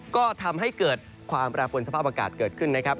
ก็ทำให้เกิดความแปรปวนสภาพอากาศเกิดขึ้นนะครับ